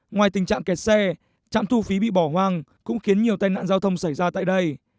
ngoài tình trạng kẹt xe trạm thu phí bị bỏ hoang cũng khiến nhiều tai nạn giao thông xảy ra tại đây